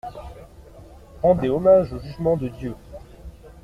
Rendez hommage au jugement de Dieu.